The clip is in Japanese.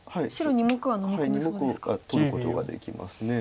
２目は取ることができます。